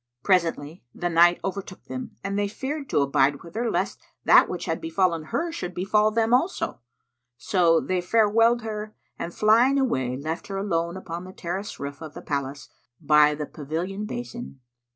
Presently the night overtook them and they feared to abide with her lest that which had befallen her should befal them also; so they farewelled her and flying away left her alone upon the terrace roof of the palace, by the pavilion basin.